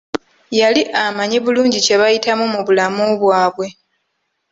Yali amanyi bulungi kye bayitamu mubulamu bwabwe.